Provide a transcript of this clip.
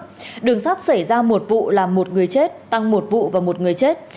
trong đó đường sát xảy ra một vụ làm một người chết tăng một vụ và một người chết